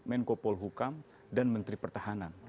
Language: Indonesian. menko polhukam dan menteri pertahanan